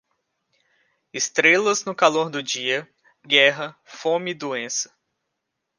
Estrelas no calor do dia, guerra, fome e doença.